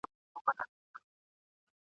خو نیژدې نه سوای ورتللای څوک له ویري ..